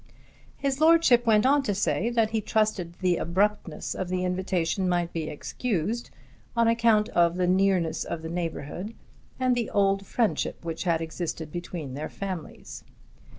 His Lordship went on to say that he trusted the abruptness of the invitation might be excused on account of the nearness of their neighbourhood and the old friendship which had existed between their families.